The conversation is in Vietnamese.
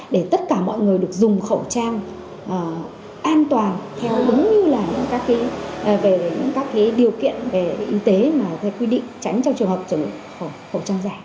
để tất cả mọi người được dùng khẩu trang an toàn theo đúng như là các cái điều kiện về y tế mà theo quy định tránh trong trường hợp chống khẩu trang dài